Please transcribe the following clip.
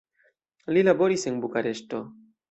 Li laboris en Bukareŝto.